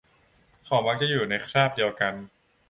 เขามักจะอยู่ในคราบเดียวกัน